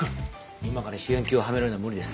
今から主演級をはめるのは無理です。